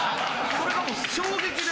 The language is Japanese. それが僕衝撃で。